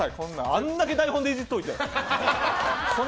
あんだけ台本でイジっておいて！